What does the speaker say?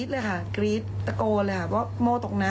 อืม